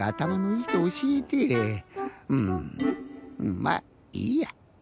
まぁいいや。